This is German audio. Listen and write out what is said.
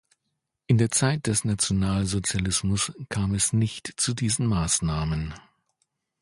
In der Zeit des Nationalsozialismus kam es nicht zu diesen Maßnahmen.